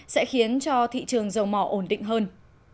sẽ khiến cho thị trường dầu mỏ ổn định hơn